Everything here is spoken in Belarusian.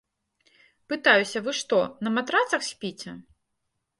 Пытаюся, вы што, на матрацах спіце?